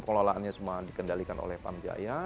pengolahannya semua dikendalikan oleh pam jaya